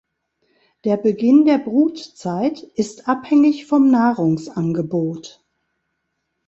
Der Beginn der Brutzeit ist abhängig vom Nahrungsangebot.